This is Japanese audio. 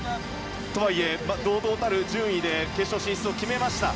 とはいえ、堂々たる順位で決勝進出を決めました。